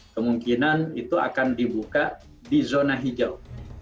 kemungkinan itu akan dibuka di zona hijau